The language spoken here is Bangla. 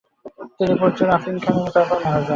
তিনি প্রচুর আফিম খান এবং তার পরে মারা যান।